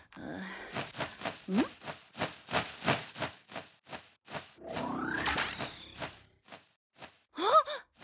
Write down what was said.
ん？あっ！